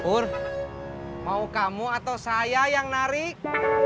ur mau kamu atau saya yang narik